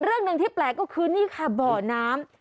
เรื่องหนึ่งที่แปลกก็คือนี่ค่ะบ่อน้ำ